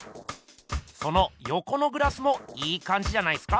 そのよこのグラスもいいかんじじゃないっすか？